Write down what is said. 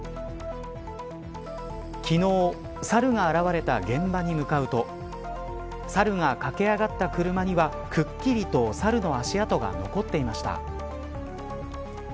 昨日サルが現れた現場に向かうとサルが駆け上がった車にはくっきりと、サルの足跡が残っていました。